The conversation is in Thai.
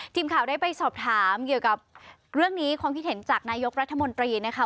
ทีมข่าวได้ไปสอบถามเกี่ยวกับเรื่องนี้ความคิดเห็นจากนายกรัฐมนตรีนะคะ